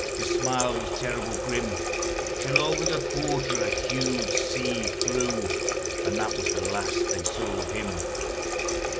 the smile was terrible grim Till over the quarter a huge sea flew; And that was the last they saw of him.